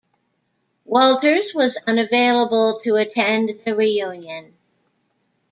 Walters was unavailable to attend the reunion.